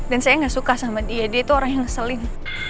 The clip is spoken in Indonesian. dan saya gak suka sama dia dia itu orang yang ngeselin